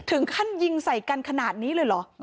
ถึงขั้นยิงใส่กันขนาดนี้เลยเหรอ